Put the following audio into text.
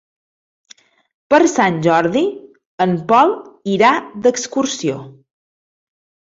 Per Sant Jordi en Pol irà d'excursió.